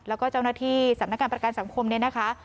แล้วก็เจ้าหน้าที่สำนักงานประกันสังคมเนี่ยนะคะ